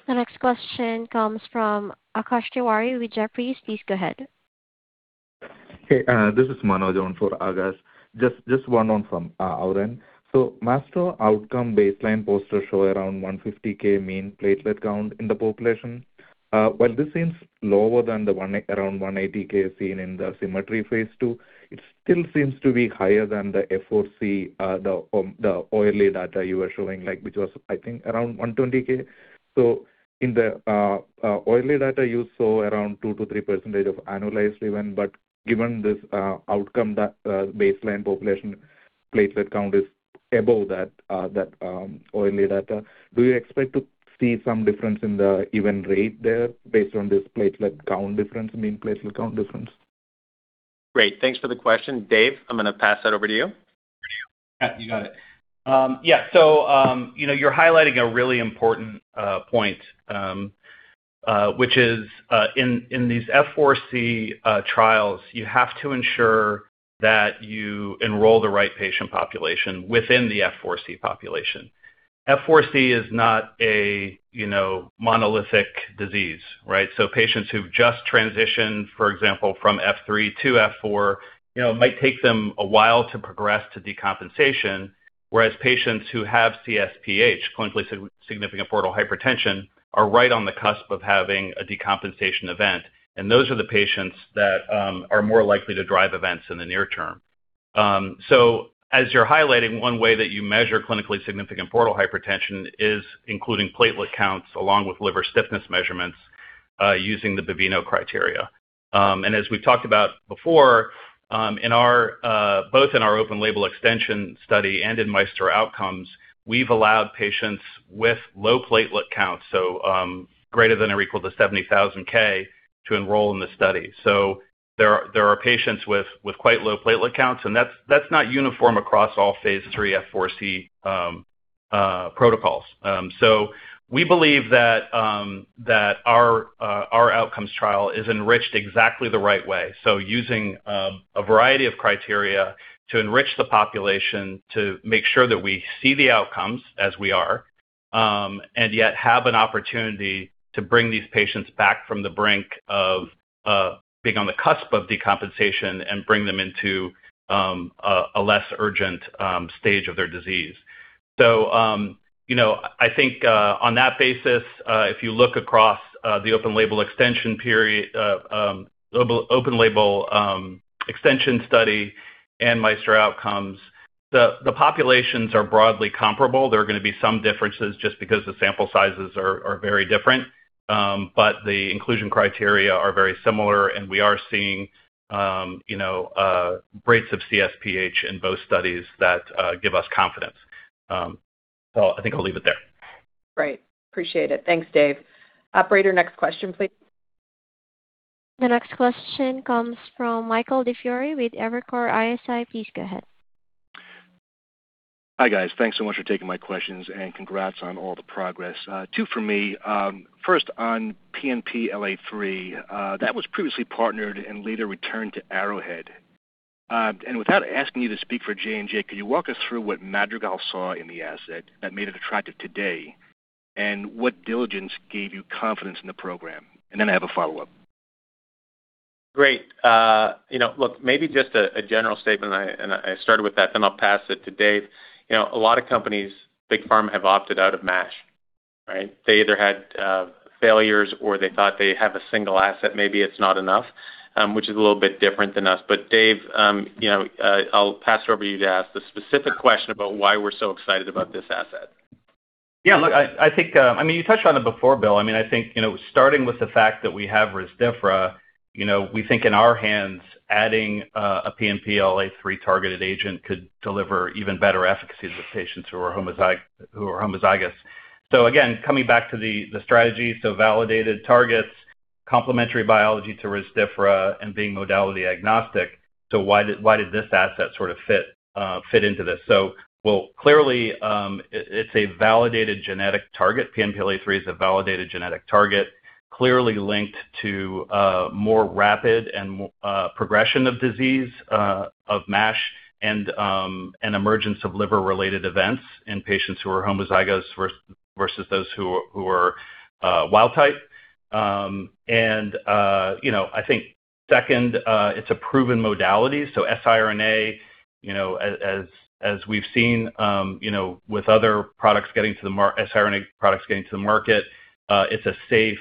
The next question comes from Akash Tewari with Jefferies. Please go ahead. Hey, this is Manoj on for Akash. Just one on from our end. MAESTRO Outcome baseline poster show around 150k mean platelet count in the population. While this seems lower than around 180k seen in the SYMMETRY phase II, it still seems to be higher than the F4-C, the early data you were showing, like, which was, I think, around 120k. In the early data you saw around 2%-3% of annualized event, given this outcome, that baseline population platelet count is above that early data. Do you expect to see some difference in the event rate there based on this platelet count difference, I mean, platelet count difference? Great. Thanks for the question. Dave, I'm gonna pass that over to you. You got it. You know, you're highlighting a really important point, which is in these F4C trials, you have to ensure that you enroll the right patient population within the F4C population. F4C is not a, you know, monolithic disease, right? Patients who've just transitioned, for example, from F3 to F4, you know, it might take them a while to progress to decompensation, whereas patients who have CSPH, clinically significant portal hypertension, are right on the cusp of having a decompensation event, and those are the patients that are more likely to drive events in the near term. As you're highlighting, one way that you measure clinically significant portal hypertension is including platelet counts along with liver stiffness measurements, using the Baveno criteria. As we've talked about before, both in our open label extension study and in MAESTRO-NASH OUTCOMES, we've allowed patients with low platelet counts, so, greater than or equal to 70,000 k, to enroll in the study. There are patients with quite low platelet counts, and that's not uniform across all phase III F4-C protocols. We believe that our outcomes trial is enriched exactly the right way. Using a variety of criteria to enrich the population to make sure that we see the outcomes as we are, and yet have an opportunity to bring these patients back from the brink of being on the cusp of decompensation and bring them into a less urgent stage of their disease. You know, I think, on that basis, if you look across the open label extension period open label extension study and MAESTRO outcomes, the populations are broadly comparable. There are gonna be some differences just because the sample sizes are very different. The inclusion criteria are very similar, and we are seeing, you know, rates of CSPH in both studies that give us confidence. I think I'll leave it there. Great. Appreciate it. Thanks, Dave. Operator, next question please. The next question comes from Mike DiFiore with Evercore ISI. Please go ahead. Hi, guys. Thanks so much for taking my questions, and congrats on all the progress. Two for me. First on PNPLA3, that was previously partnered and later returned to Arrowhead. Without asking you to speak for J&J, could you walk us through what Madrigal saw in the asset that made it attractive today, and what diligence gave you confidence in the program? Then I have a follow-up. Great. You know, look, maybe just a general statement, I started with that, then I'll pass it to David. You know, a lot of companies, big pharma, have opted out of MASH, right? They either had failures or they thought they have a single asset, maybe it's not enough, which is a little bit different than us. David, you know, I'll pass it over to you to ask the specific question about why we're so excited about this asset. Yeah, look, I think, I mean, you touched on it before, Bill. I mean, I think, you know, starting with the fact that we have Rezdiffra, you know, we think in our hands adding a PNPLA3 targeted agent could deliver even better efficacy to the patients who are homozygous. Again, coming back to the strategy, validated targets, complementary biology to Rezdiffra and being modality agnostic. Why did this asset sort of fit into this? Well, clearly, it's a validated genetic target. PNPLA3 is a validated genetic target, clearly linked to more rapid and progression of disease of MASH and an emergence of liver related events in patients who are homozygous versus those who are wild type. you know, I think second, it's a proven modality. siRNA, you know, as we've seen, you know, with other products getting to the market, siRNA products getting to the market, it's a safe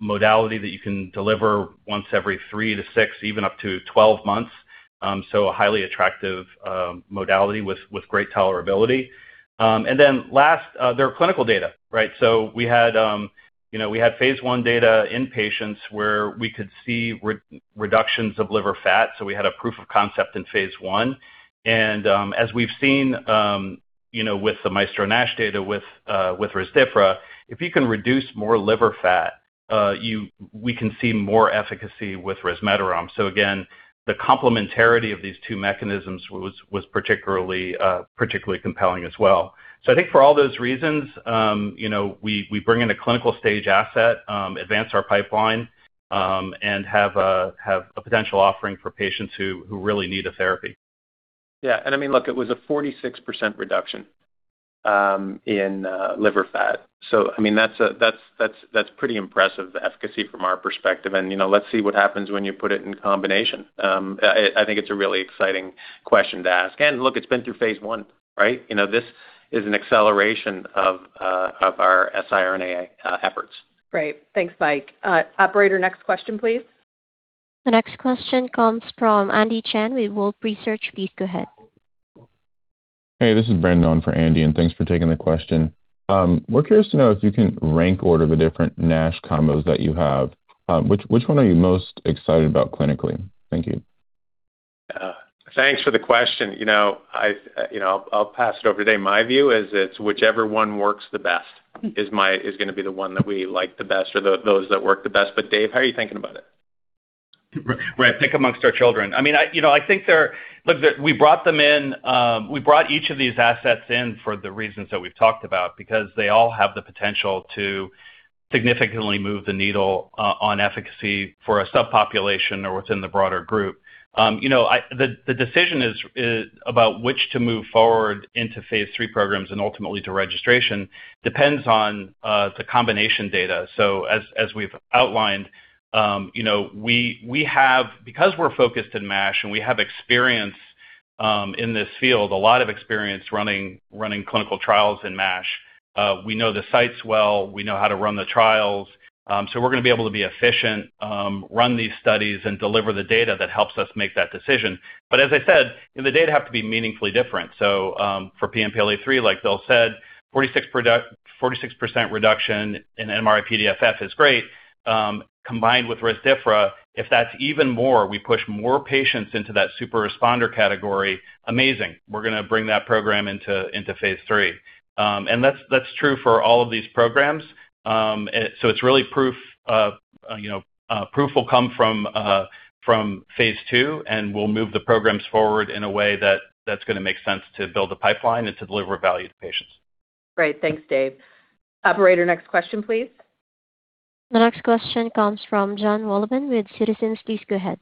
modality that you can deliver once every three to six, even up to 12 months. A highly attractive modality with great tolerability. Last, there are clinical data, right? we had, you know, we had phase I data in patients where we could see reductions of liver fat, so we had a proof of concept in phase I. as we've seen, you know, with the MAESTRO-NASH data with Rezdiffra, if you can reduce more liver fat, we can see more efficacy with resmetirom. Again, the complementarity of these two mechanisms was particularly compelling as well. I think for all those reasons, you know, we bring in a clinical-stage asset, advance our pipeline, and have a potential offering for patients who really need a therapy. Yeah. I mean, look, it was a 46% reduction in liver fat. I mean, that's a pretty impressive efficacy from our perspective and, you know, let's see what happens when you put it in combination. I think it's a really exciting question to ask. Look, it's been through phase I, right? You know, this is an acceleration of our siRNA efforts. Great. Thanks, Mike. Operator, next question, please. The next question comes from Andy Chen with Wolfe Research. Please go ahead. Hey, this is Brandon for Andy. Thanks for taking the question. We're curious to know if you can rank order the different NASH combos that you have. Which one are you most excited about clinically? Thank you. Thanks for the question. You know, I'll pass it over. Today my view is it's whichever one works the best is gonna be the one that we like the best or those that work the best. Dave, how are you thinking about it? Right. Pick amongst our children. I mean, I, you know, I think there. We brought them in, we brought each of these assets in for the reasons that we've talked about, because they all have the potential to significantly move the needle on efficacy for a subpopulation or within the broader group. You know, the decision is about which to move forward into phase III programs and ultimately to registration depends on the combination data. As, as we've outlined, you know, we have because we're focused in MASH and we have experience in this field, a lot of experience running clinical trials in MASH, we know the sites well, we know how to run the trials, we're gonna be able to be efficient, run these studies and deliver the data that helps us make that decision. As I said, the data have to be meaningfully different. For PNPLA3, like Bill said, 46% reduction in MRI-PDFF is great. Combined with Rezdiffra, if that's even more, we push more patients into that super responder category, amazing. We're gonna bring that program into phase III. That's true for all of these programs. It's really proof, you know, proof will come from phase II, and we'll move the programs forward in a way that's gonna make sense to build a pipeline and to deliver value to patients. Great. Thanks, Dave. Operator, next question, please. The next question comes from John Wolleben with Citizens. Please go ahead.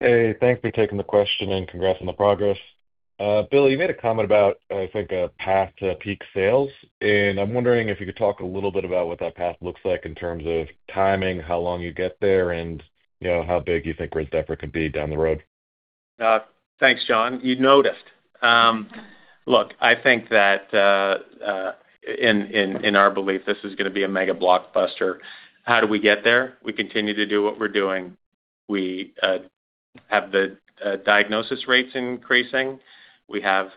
Hey, thanks for taking the question, and congrats on the progress. Bill, you made a comment about, I think, a path to peak sales, and I'm wondering if you could talk a little bit about what that path looks like in terms of timing, how long you get there, and, you know, how big you think Rezdiffra could be down the road. Thanks, John. You noticed. Look, I think that in our belief this is gonna be a mega blockbuster. How do we get there? We continue to do what we're doing. We have the diagnosis rates increasing. We have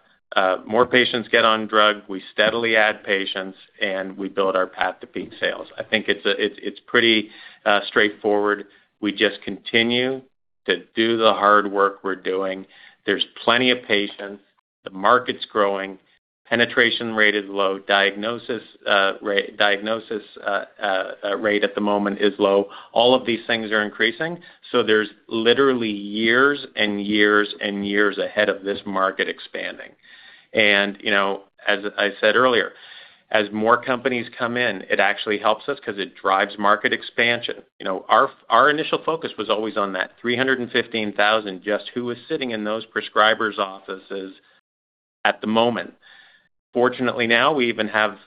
more patients get on drug. We steadily add patients, and we build our path to peak sales. I think it's pretty straightforward. We just continue to do the hard work we're doing. There's plenty of patients. The market's growing. Penetration rate is low. Diagnosis rate at the moment is low. All of these things are increasing, so there's literally years and years and years ahead of this market expanding. You know, as I said earlier, as more companies come in, it actually helps us 'cause it drives market expansion. You know, our initial focus was always on that 315,000, just who was sitting in those prescribers' offices at the moment. Fortunately, now we even have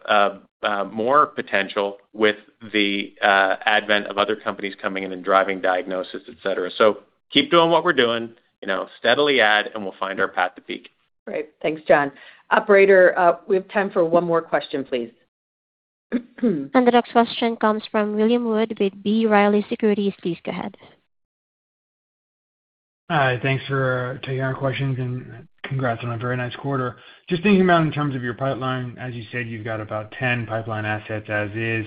more potential with the advent of other companies coming in and driving diagnosis, et cetera. Keep doing what we're doing, you know, steadily add, and we'll find our path to peak. Great. Thanks, John. Operator, we have time for one more question, please. The next question comes from William Wood with B. Riley Securities. Please go ahead. Hi. Thanks for taking our questions and congrats on a very nice quarter. Just thinking about in terms of your pipeline, as you said, you've got about 10 pipeline assets as is.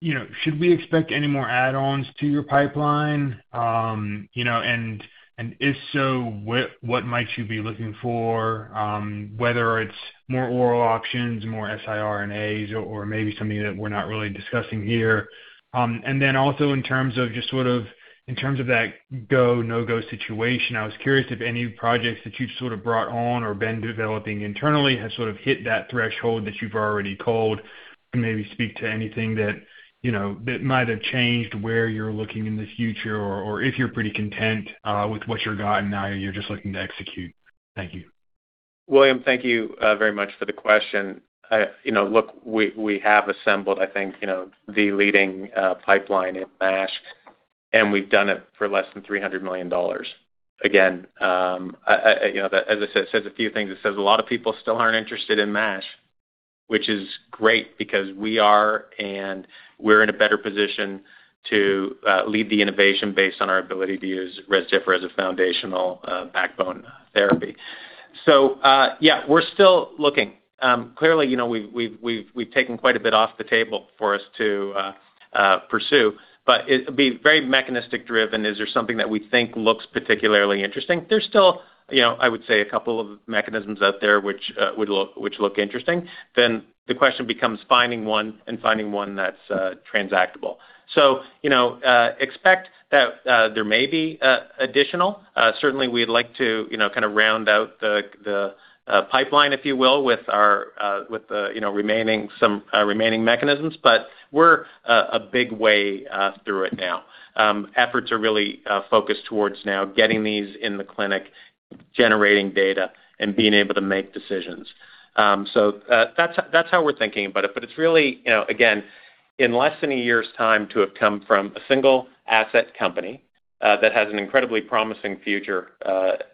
You know, should we expect any more add-ons to your pipeline? You know, if so, what might you be looking for, whether it's more oral options, more siRNAs or maybe something that we're not really discussing here? Then also in terms of just sort of, in terms of that go, no-go situation, I was curious if any projects that you've sort of brought on or been developing internally have sort of hit that threshold that you've already called and maybe speak to anything that, you know, that might have changed where you're looking in the future or if you're pretty content, with what you've got now and you're just looking to execute. Thank you. William, thank you very much for the question. You know, look, we have assembled, I think, you know, the leading pipeline in MASH, and we've done it for less than $300 million. Again, you know, that, as I said, says a few things. It says a lot of people still aren't interested in MASH, which is great because we are, and we're in a better position to lead the innovation based on our ability to use Rezdiffra as a foundational backbone therapy. Yeah, we're still looking. Clearly, you know, we've taken quite a bit off the table for us to pursue, but it would be very mechanistic driven. Is there something that we think looks particularly interesting? There's still, you know, I would say a couple of mechanisms out there which look interesting. The question becomes finding one and finding one that's transact-able. You know, expect that there may be additional. Certainly we'd like to, you know, kinda round out the pipeline, if you will, with our, with the, you know, remaining some remaining mechanisms, but we're a big way through it now. Efforts are really focused towards now getting these in the clinic, generating data and being able to make decisions. That's how we're thinking about it. It's really, you know, again, in less than a year's time to have come from a single asset company that has an incredibly promising future,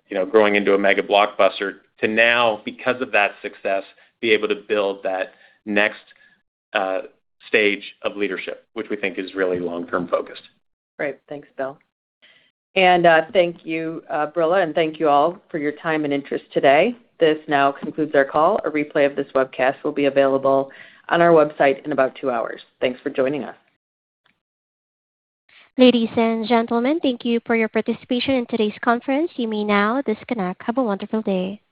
you know, growing into a mega blockbuster to now because of that success be able to build that next stage of leadership, which we think is really long-term focused. Great. Thanks, Bill. Thank you, Brilla, and thank you all for your time and interest today. This now concludes our call. A replay of this webcast will be available on our website in about two hours. Thanks for joining us. Ladies and gentlemen, thank you for your participation in today's conference. You may now disconnect. Have a wonderful day.